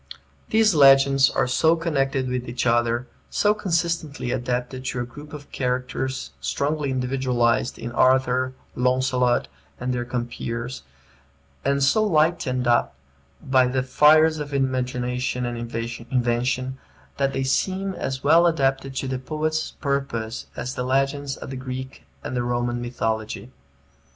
These legends are so connected with each other, so consistently adapted to a group of characters strongly individualized in Arthur, Launcelot, and their compeers, and so lighted up by the fires of imagination and invention, that they seem as well adapted to the poet's purpose as the legends of the Greek and Roman mythology.